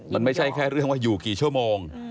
มันไม่ใช่แค่เรื่องว่าอยู่กี่ชั่วโมง